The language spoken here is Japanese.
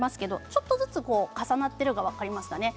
ちょっとずつ重なっているのが分かりますかね。